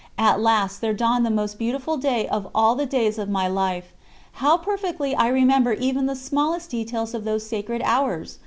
At last there dawned the most beautiful day of all the days of my life. How perfectly I remember even the smallest details of those sacred hours!